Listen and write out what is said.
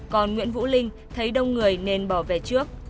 còn nguyễn vũ linh thấy đông người nên bỏ về trước